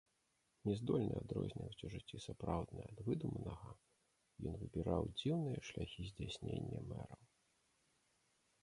Не здольны адрозніваць у жыцці сапраўднае ад выдуманага, ён выбіраў дзіўныя шляхі здзяйснення мэраў.